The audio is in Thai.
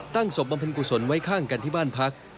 ตั้งสบมพันธุ์กุศลไว้ข้างกันที่บ้านพัก